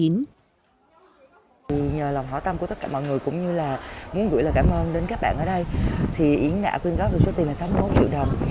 nhờ lòng hỏi tâm của tất cả mọi người cũng như là muốn gửi lời cảm ơn đến các bạn ở đây thì yến đã quyên góp được số tiền là sáu mươi một triệu đồng